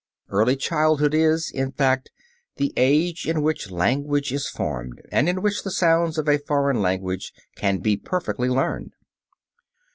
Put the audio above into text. Early childhood is, in fact, the age in which language is formed, and in which the sounds of a foreign language can be perfectly learned.